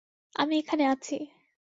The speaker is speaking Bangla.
আমি এখানে আছি!